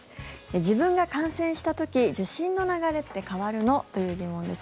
自分が感染した時受診の流れって変わるの？という疑問です。